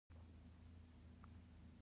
دا کرښې له بهرنیو هېوادونو سره هم نښلوي.